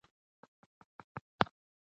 غازيان تږي او ستړي ستومانه کېدل.